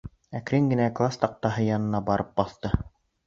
Әкрен генә класс таҡтаһы янына барып баҫты.